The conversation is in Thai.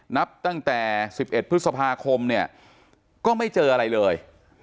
นับตั้งแต่๑๑พฤษภาคมเนี่ยก็ไม่เจออะไรเลย